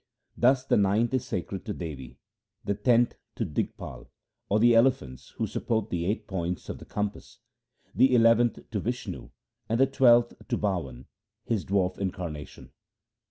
Thus the ninth is sacred to Devi, the tenth to Digpal, or the elephants who support the eight points of the com pass, the eleventh to Vishnu, and the twelfth to Bawan, his dwarf incarnation.